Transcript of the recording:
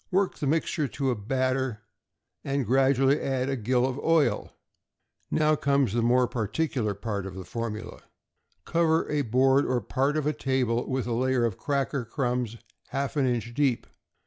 Work the mixture to a batter, and gradually add a gill of oil. Now comes the more particular part of the formula. Cover a board or part of a table with a layer of cracker crumbs half an inch deep.